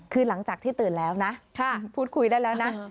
คือหลังจากที่ตื่นแล้วนะพูดคุยได้แล้วนะ